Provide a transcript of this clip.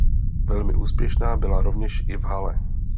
Velmi úspěšná byla rovněž i v hale.